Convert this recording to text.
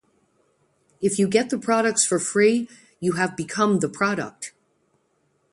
If you get the products for free, you have become the product!